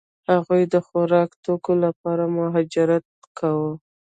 هغوی د خوراکي توکو لپاره مهاجرت کاوه.